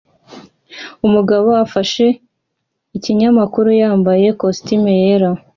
Umugabo ufashe ikinyamakuru yambaye ikositimu yera